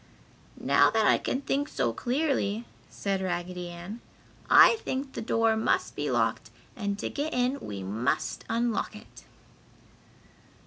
"Now that I can think so clearly," said Raggedy Ann, "I think the door must be locked and to get in we must unlock it!"